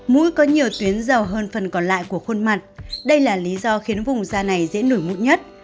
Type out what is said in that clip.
mũi có nhiều tuyến giàu hơn phần còn lại của khuôn mặt đây là lý do khiến vùng da này dễ nổi mụn nhất